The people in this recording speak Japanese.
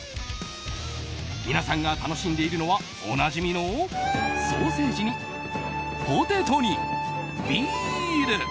皆さんが楽しんでいるのはおなじみのソーセージにポテトにビール。